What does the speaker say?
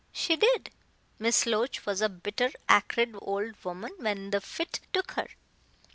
"She did. Miss Loach was a bitter, acrid old woman when the fit took her.